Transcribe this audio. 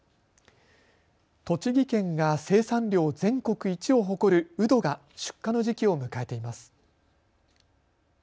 栃木県が生産量全国一を誇るウドが出荷の時期を迎えています。